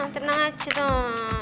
tenang aja toh